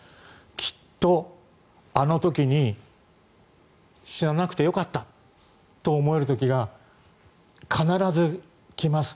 きっとあの時に死ななくてよかったと思える時が必ず来ます。